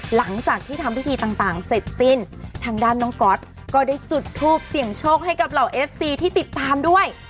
หลังจากที่ทำพิธีต่างเสร็จสิ้นทางด้านน้องก๊อตก็ได้จุดทูปเสี่ยงโชคให้กับเหล่าเอฟซีที่ติดตามด้วย